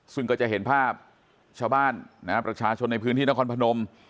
ซึ่งก็จะเห็นภาพชาวบ้านนะฮะประชาชนในพื้นที่นครพนม